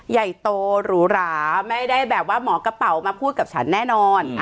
ใหญ่โตหรูหราไม่ได้แบบว่าหมอกระเป๋ามาพูดกับฉันแน่นอน